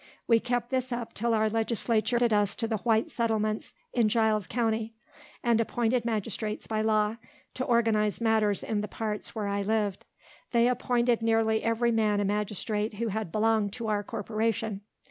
We kept this up till our Legislature added us to the white settlements in Giles county; and appointed magistrates by law, to organize matters in the parts where I lived. They appointed nearly every man a magistrate who had belonged to our corporation.